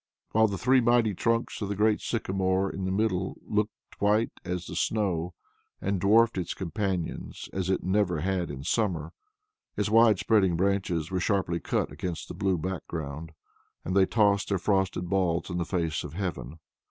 While the three mighty trunks of the great sycamore in the middle looked white as the snow, and dwarfed its companions as it never had in summer; its wide spreading branches were sharply cut against the blue background, and they tossed their frosted balls in the face of Heaven.